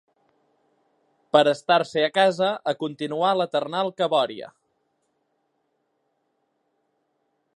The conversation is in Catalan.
Per estar-se a casa a continuar l'eternal cabòria